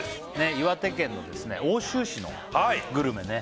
岩手県奥州市のグルメね